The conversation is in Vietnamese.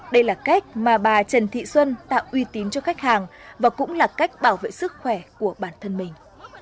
đây là cách mà bà trần thị xuân tạo uy tín cho khách hàng và cũng là cách bảo vệ sức khỏe của bản thân mình